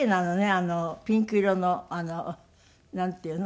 あのピンク色のなんていうの？